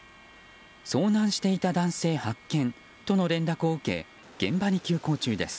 遭難していた男性発見との連絡を受け現場に急行中です。